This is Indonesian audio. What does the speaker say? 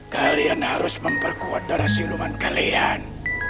kalian harus memperkuat darah siluman kalian